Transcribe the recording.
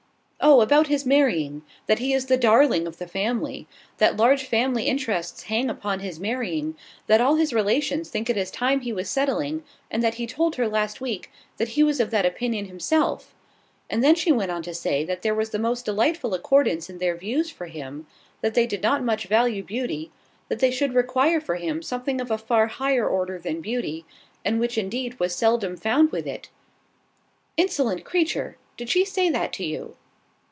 "Oh, about his marrying: that he is the darling of his family, that large family interests hang upon his marrying, that all his relations think it is time he was settling, and that he told her last week that he was of that opinion himself: and then she went on to say that there was the most delightful accordance in their views for him; that they did not much value beauty, that they should require for him something of a far higher order than beauty, and which indeed was seldom found with it " "Insolent creature! Did she say that to you?"